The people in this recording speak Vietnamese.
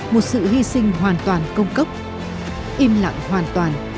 một sự hy sinh hoàn toàn công cốc im lặng hoàn toàn